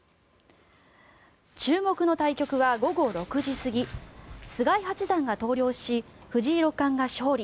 注目の対局は、午後６時過ぎ菅井八段が投了し藤井六冠が勝利。